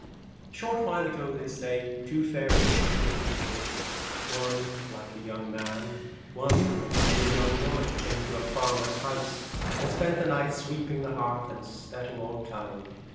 A short while ago, they say, two faeries, little creatures, one like a young man, one 130 like a young woman, came to a farmers The ,. i i Untiring house, and spent the night sweeping the Ones. hearth and setting all tidy.